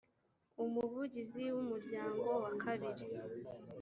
umuvugizi w umuryango wa kabiri